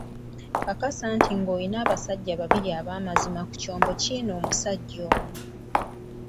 Nkakasa ng'olina abasajja babiri ab'amazima ku kyombo kinaomusajja ono.